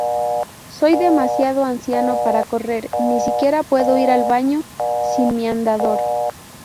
Soy demasiado anciano para correr; ni siquiera puedo ir al baño sin mi andador.